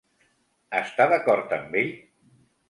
Està d’acord amb ell?